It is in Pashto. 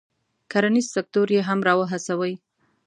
کرنیز سکتور ته یې را و هڅوي.